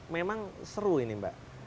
memang seru ini mbak